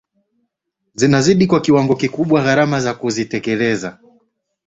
zinazidi kwa kiwango kikubwa gharama za kuzitekeleza